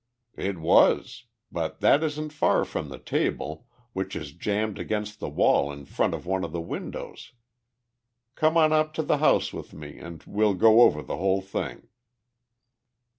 "It was, but that isn't far from the table, which is jammed against the wall in front of one of the windows. Come on up to the house with me and we'll go over the whole thing."